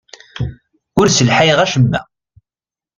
Ur sselhayeɣ acemma.